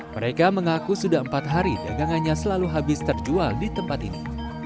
mereka mengaku sudah empat hari dagangannya selalu habis terjual di tempat ini